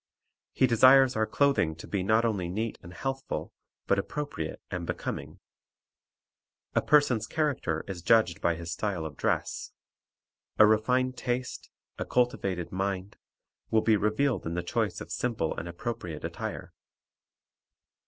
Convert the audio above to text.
He desires our clothing to be not only neat and healthful, but appropriate and becoming. A person's character is judged by his style of dress. A refined taste, a cultivated mind, will be revealed in the choice of simple and appropriate attire.